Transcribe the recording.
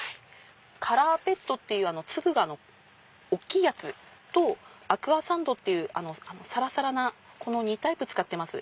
カラーペットって粒が大きいやつとアクアサンドってサラサラなこの２タイプ使ってます。